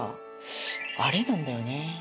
アレなんだよね。